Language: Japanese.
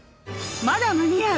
まだ間に合う